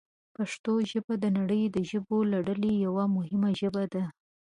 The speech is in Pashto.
پښتو ژبه د نړۍ د ژبو له ډلې یوه مهمه ژبه ده.